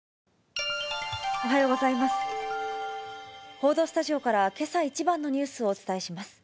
報道スタジオからけさ一番のニュースをお伝えします。